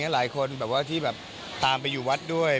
หลายคนตามไปอยู่วัดด้วย